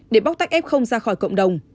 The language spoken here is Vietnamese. để bóc tách f ra khỏi cộng đồng